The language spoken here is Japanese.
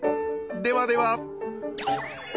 ではでは。